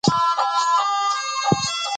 نه یې ږغ سوای تر شپانه ور رسولای